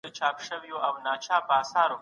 راتلونکي کال به نوي او عصري تخنيکي تجهيزات راسي.